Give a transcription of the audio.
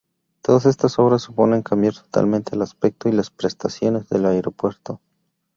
Todas estas obras suponen cambiar totalmente el aspecto y las prestaciones del aeropuerto.